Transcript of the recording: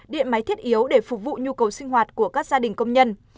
điện máy thiết yếu để phục vụ nhu cầu sinh hoạt của các gia đình công nhân